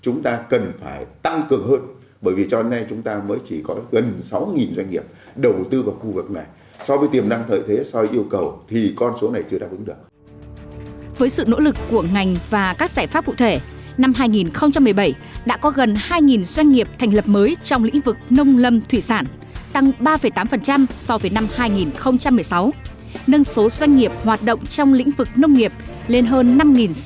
nâng số doanh nghiệp hoạt động trong lĩnh vực nông nghiệp lên hơn năm sáu trăm linh